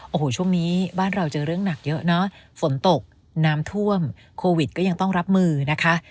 โอ้โหช่วงนี้บ้านเราเจอเรื่องหนักเยอะเนอะฝนตกน้ำท่วมโควิดก็ยังต้องรับมือนะคะ